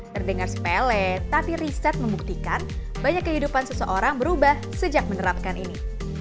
terdengar sepele tapi riset membuktikan banyak kehidupan seseorang berubah sejak menerapkan ini